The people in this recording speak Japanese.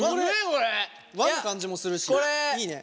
和の感じもするしいいね。